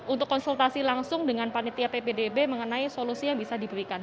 untuk konsultasi langsung dengan panitia ppdb mengenai solusi yang bisa diberikan